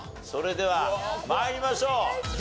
それでは参りましょう。